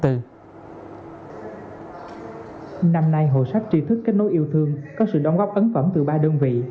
năm nay hội sách tri thức kết nối yêu thương có sự đóng góp ấn phẩm từ ba đơn vị